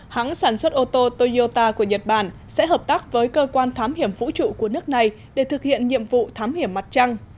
hãng sản xuất ô tô toyota của nhật bản sẽ hợp tác với cơ quan thám hiểm vũ trụ của nước này để thực hiện nhiệm vụ thám hiểm mặt trăng